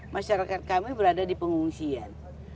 masyarakat kami berada di pengungsian